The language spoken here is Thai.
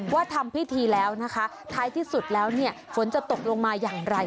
ว่าทำพิธีแล้วนะคะท้ายที่สุดแล้วเนี่ยฝนจะตกลงมาอย่างไร